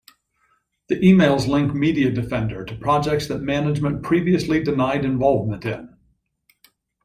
The emails link MediaDefender to projects that management previously denied involvement in.